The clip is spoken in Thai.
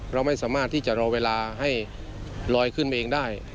เราไม่สามารถที่จะรอเวลาให้ลอยขึ้นมาเองได้